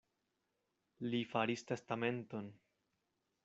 Li faris testamenton.